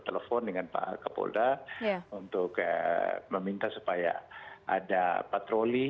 telepon dengan pak kapolda untuk meminta supaya ada patroli